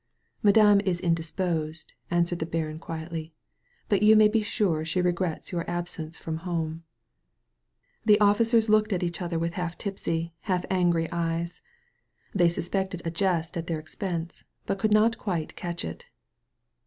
"Madame is indisposed," answered the baron quietly, "but you may bi sure she regrets your absence from home." The officers looked at each other with half tipsy, haLf angry eyes. Th^ suspected a jest at their expense, but could not quite catch it.